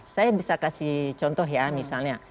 saya bisa kasih contoh ya misalnya